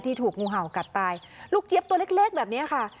ถูกงูเห่ากัดตายลูกเจี๊ยบตัวเล็กแบบนี้ค่ะ